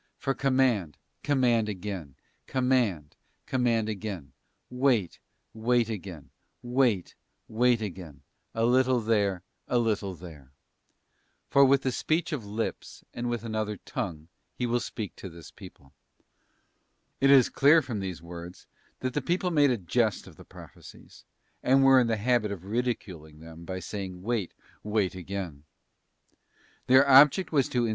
For command, command again; command, com mand again; wait, wait again; wait, wait again; a little there, a little there. For with the speech of lips, and with another tongue He will speak to this people.'f It is clear from these words, that the people made a jest of the prophecies, and were in the habit of ridiculing them by saying, 'wait, wait again,' Their object was to insinuate * 2 Cor. iii. 6.